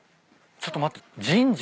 ちょっと待って。